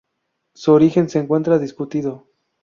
Su origen se encuentra discutido.